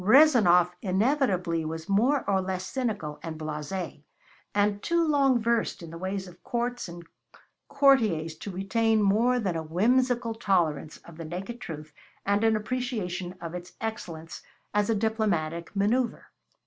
Rezanov inevitably was more or less cynical and blase', and too long versed in the ways of courts and courtiers to retain more than a whimsical tolerance of the naked truth and an appreciation of its excellence as a diplomatic manoeuvre.